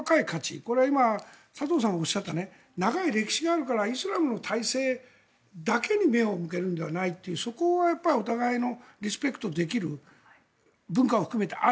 これは今佐藤さんがおっしゃった長い歴史があるからイスラムの体制だけに目を向けるのではないというそこはお互いリスペクトできる文化を含めてある。